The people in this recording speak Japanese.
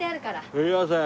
すいません。